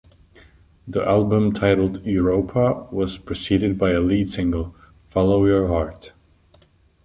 The album, titled "Europa", was preceded by a lead single, "Follow Your Heart".